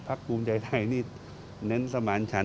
พรรคกรุงใจไทยนี่เน้นสมาร์ทฉัน